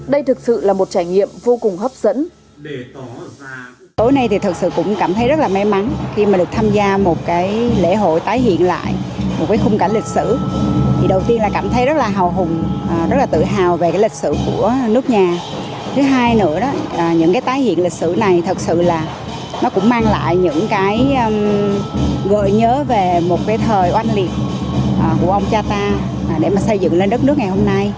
đây thực sự là một trải nghiệm vô cùng hấp dẫn